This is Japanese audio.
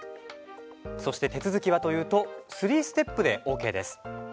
そして、手続きはというと３ステップでＯＫです。